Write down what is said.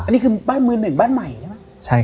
อันนี้คือบ้านมือหนึ่งบ้านใหม่ใช่ไหม